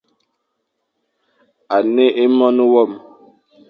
A ne é Mone wam.